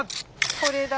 これだ。